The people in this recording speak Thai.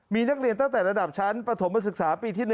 มีนักเรียนตั้งแต่ระดับชั้นปฐมศึกษาปีที่๑